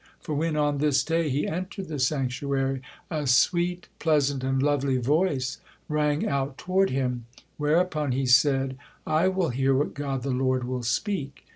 For when, on this day, he entered the sanctuary, a sweet, pleasant and lovely voice rang out toward him, whereupon he said: "I will hear what God the Lord will speak."